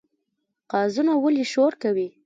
قازونه ولې شور کوي؟